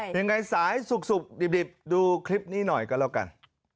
ยังไงสายสุกดิบดูคลิปนี้หน่อยก็แล้วกัน